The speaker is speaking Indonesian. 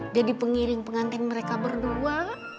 jadi pengiring pengantin mereka berdua